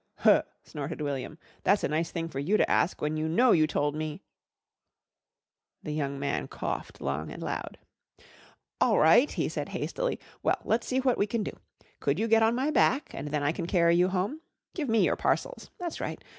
"Huh!" snorted William. "That's a nice thing for you to ask when you know you told me " The young man coughed long and loud. "All right," he said hastily. "Well, let's see what we can do. Could you get on my back, and then I can carry you home? Give me your parcels. That's right.